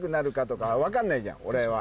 俺は。